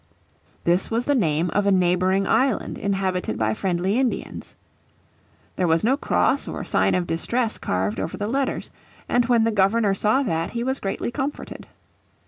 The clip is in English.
This was the name of a neighbouring island inhabited by friendly Indians. There was no cross or sign of distress carved over the letters. And when the Governor saw that he was greatly comforted.